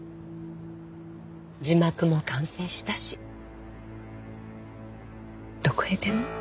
字幕も完成したしどこへでも。